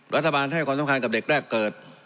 รัฐบาลให้ความสำคัญกับเด็กแรกเกิด